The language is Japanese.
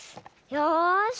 よし。